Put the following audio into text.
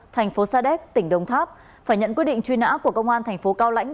thành phố sa đéc tỉnh đồng tháp phải nhận quyết định truy nã của công an thành phố cao lãnh